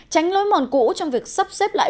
tránh lối mòn cũ trong việc sắp xếp lại